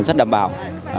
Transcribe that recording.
rất đảm bảo